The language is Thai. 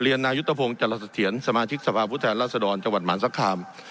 เยือนนายุตภพงศ์จรษฐเถียนสมาชิกสภาพุทธแหล่าสะดอนจังหวัดหมารสักคราม